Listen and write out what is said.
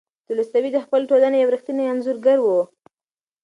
تولستوی د خپلې ټولنې یو ریښتینی انځورګر و.